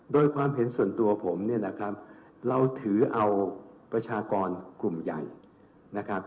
โดยความเห็นส่วนตัวผมเนี่ยนะครับเราถือเอาประชากรกลุ่มใหญ่นะครับ